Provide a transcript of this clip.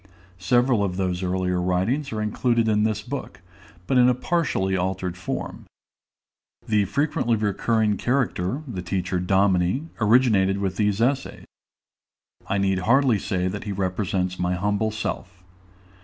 Several of those earlier writings are included in this book, but in a partially altered form. The frequently recurring character, the teacher Dominie, originated with these essays; I need hardly say that he represents my humble self.